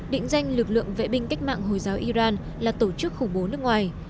định danh lực lượng vệ binh cách mạng hồi giáo iran là tổ chức khủng bố nước ngoài